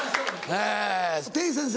えぇてぃ先生